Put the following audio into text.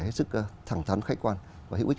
hết sức thẳng thắn khách quan và hữu ích